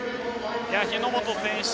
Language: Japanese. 日本選手